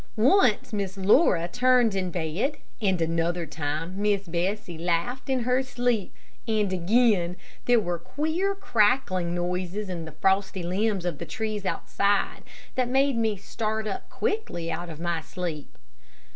Once Miss Laura turned in bed, and another time Miss Bessie laughed in her sleep, and again, there were queer crackling noises in the frosty limbs of the trees outside, that made me start up quickly out of my sleep.